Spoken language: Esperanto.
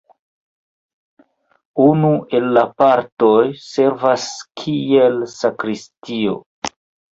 Unu el la partoj servas kiel sakristio.